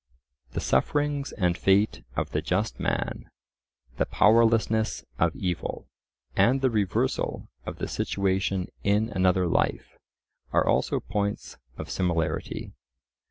The sufferings and fate of the just man, the powerlessness of evil, and the reversal of the situation in another life, are also points of similarity.